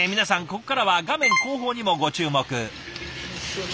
ここからは画面後方にもご注目。